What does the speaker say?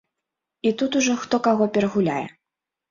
І тут ужо хто каго перагуляе.